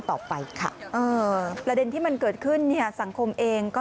ต่อไปค่ะเออประเด็นที่มันเกิดขึ้นเนี่ยสังคมเองก็